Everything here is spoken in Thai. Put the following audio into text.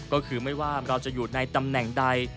ก็คือไม่ว่าเราจะอยู่ในตำแหน่งใด